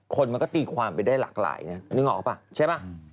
คนมันก็ตีความไปได้หลากหลายนึกออกหรือเปล่าใช่ไหม